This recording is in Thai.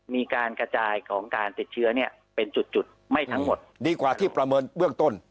มีการกระจายของการติดเชื้อเนี่ยเป็นจุดไม่ทั้งหมดดีกว่าที่ประเมินเบื้องต้น